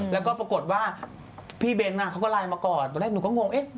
แล้วก็ปรากฏว่าพี่เบ้นเขาก็ไลน์มาก่อนตอนแรกหนูก็งงเอ๊ะ